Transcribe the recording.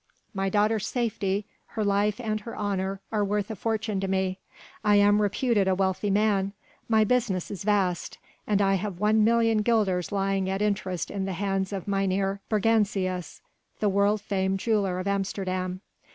My daughter's safety, her life and her honour are worth a fortune to me. I am reputed a wealthy man. My business is vast, and I have one million guilders lying at interest in the hands of Mynheer Bergansius the world famed jeweller of Amsterdam.